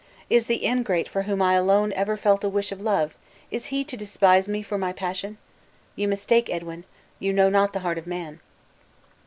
Is the ingrate for whom alone I ever felt a wish of love is he to despise me for my passion? You mistake, Edwin; you know not the heart of man."